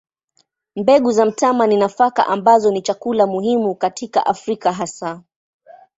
Mbegu za mtama ni nafaka ambazo ni chakula muhimu katika Afrika hasa.